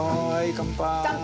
乾杯！